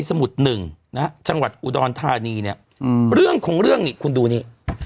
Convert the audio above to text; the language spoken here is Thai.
สมุดหนึ่งนะฮะจังหวัดอุดรธานีเนี่ยเรื่องของเรื่องนี่คุณดูนี่